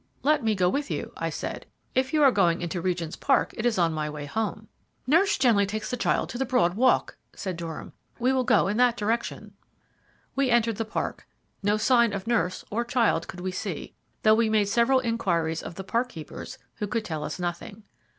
"Let me go with you," I said. "If you are going into Regent's Park, it is on my way home." "Nurse generally takes the child to the Broad Walk," said Durham; "we will go in that direction." We entered the park. No sign of nurse or child could we see, though we made several inquiries of the park keepers, who could tell us nothing.